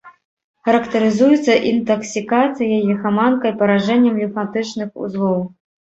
Характарызуецца інтаксікацыяй, ліхаманкай, паражэннем лімфатычных вузлоў.